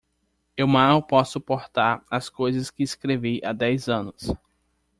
Eu mal posso suportar as coisas que escrevi há dez anos.